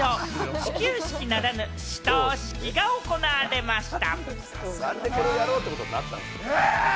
始球式ならぬ始投式が行われました。